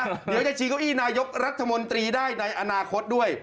เดี๋ยวจะชี้เก้าอี้นายกรัฐมนตรีได้ในอนาคตด้วย